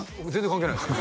関係ないです